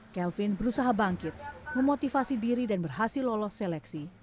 kelvin berusaha bangkit memotivasi diri dan berhasil lolos seleksi